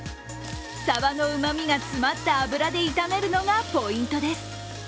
サバのうまみがつまった脂で炒めるのがポイントです。